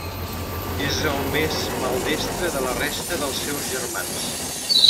És el més maldestre de la resta dels seus germans.